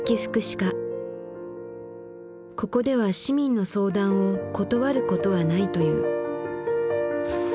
ここでは市民の相談を断ることはないという。